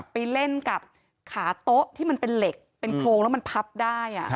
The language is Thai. ไปเล่นกับขาโต๊ะที่มันเป็นเหล็กเป็นโครงแล้วมันพับได้